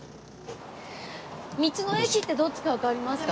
道の駅ってどっちかわかりますか？